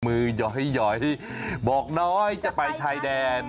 หยอยบอกน้อยจะไปชายแดน